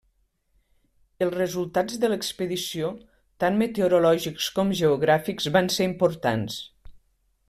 Els resultats de l'expedició, tant meteorològics com geogràfics, van ser importants.